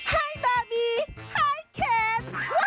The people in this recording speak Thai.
ไฮบาร์บี้ไฮเคน